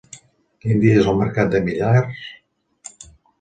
Quin dia és el mercat de Millars?